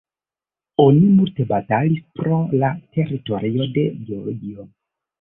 Oni multe batalis pro la teritorio de Georgio.